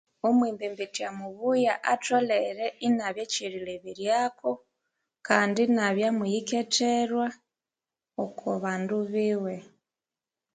Omwembembetya mubuya atholere inabya ekyerileberyako kandi inabya muyiketherwa oko bandu biwe.